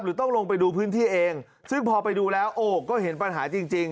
ต้องลงไปดูพื้นที่เองซึ่งพอไปดูแล้วโอ้ก็เห็นปัญหาจริงจริง